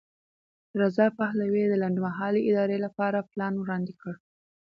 رضا پهلوي د لنډمهالې ادارې لپاره پلان وړاندې کړ.